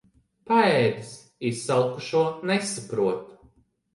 Paēdis izsalkušo nesaprot.